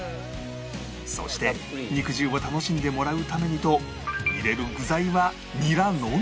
そして肉汁を楽しんでもらうためにと入れる具材はニラのみ